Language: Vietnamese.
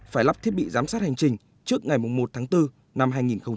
phải lắp thiết bị giám sát hành trình trước ngày một tháng bốn năm hai nghìn hai mươi